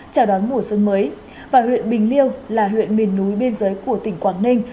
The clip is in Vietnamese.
chào đón mùa xuân mới và huyện bình liêu là huyện miền núi biên giới của tỉnh quảng ninh